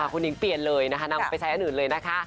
คุณหญิงเปลี่ยนเลยนะคะนำไปใช้อันอื่นเลยนะคะ